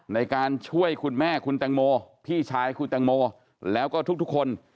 ในการช่วยคุณแม่คุณแตงโมพี่ชายคุณแตงโมแล้วก็ทุกคน